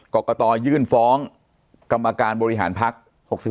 กรกตยื่นฟ้องกรรมการบริหารภักดิ์๖๔